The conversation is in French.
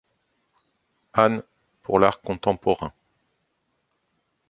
Anne' pour l'art contemporain.